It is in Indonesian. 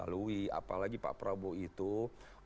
apalagi pak prabowo itu orang yang mengerti aturan konstitusi